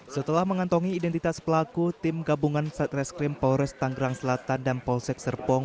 setelah mengantongi identitas pelaku tim gabungan satreskrim polres tanggerang selatan dan polsek serpong